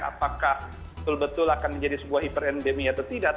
apakah betul betul akan menjadi sebuah hiperendemi atau tidak